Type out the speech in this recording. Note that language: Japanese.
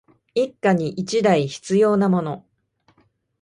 一家に一台必要なもの